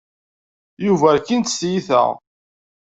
Yuba rkin-t s tyita.